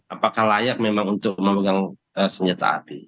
apakah layak memang untuk memegang senjata api